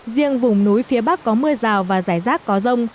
riêng vùng núi phía bắc có mưa rào và rải rác có rông